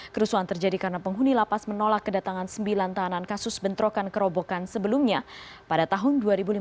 kerusuhan terjadi karena penghuni lapas menolak kedatangan sembilan tahanan kasus bentrokan kerobokan sebelumnya pada tahun dua ribu lima belas